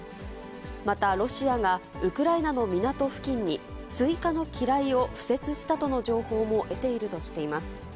またロシアが、ウクライナの港付近に、追加の機雷を敷設したとの情報も得ているとしています。